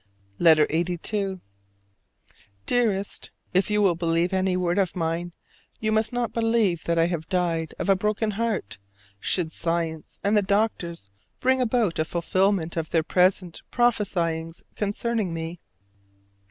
LETTER LXXXII. Dearest: If you will believe any word of mine, you must not believe that I have died of a broken heart should science and the doctors bring about a fulfillment of their present prophesyings concerning me.